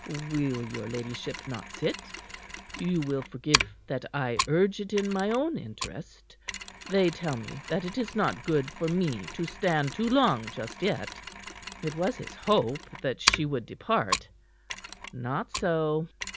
"Will your ladyship not sit? You will forgive that I urge it in my own interest. They tell me that it is not good for me to stand too long just yet." It was his hope that she would depart. Not so.